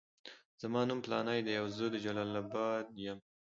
زما نوم فلانی دی او زه د جلال اباد یم.